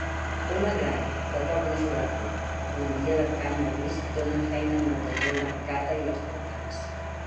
Una gran, però poc mesurable, economia de cànnabis dona feina a molta gent a Arcata i els voltants.